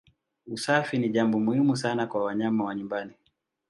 Usafi ni jambo muhimu sana kwa wanyama wa nyumbani.